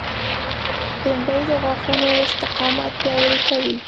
بېنډۍ د غاښونو استقامت پیاوړی کوي